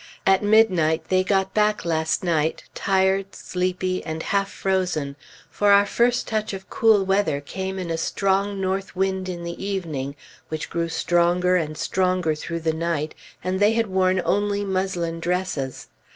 At midnight they got back last night, tired, sleepy, and half frozen, for our first touch of cool weather came in a strong north wind in the evening which grew stronger and stronger through the night, and they had worn only muslin dresses.